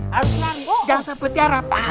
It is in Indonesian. harus lari jangan sampai tiarap